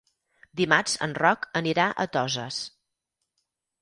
Dimarts en Roc anirà a Toses.